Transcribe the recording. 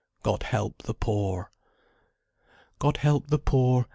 God help the poor! God help the poor!